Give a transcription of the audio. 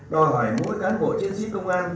đòi hỏi mỗi cán bộ chiến sĩ công an